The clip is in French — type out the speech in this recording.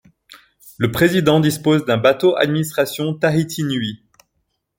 Le Président dispose d'un bateaux administration Tahiti Nui.